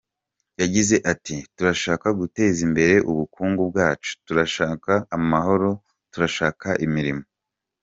Yagize ati “Turashaka guteza imbere ubukungu bwacu, turashaka amahoro, turashaka imirimo.”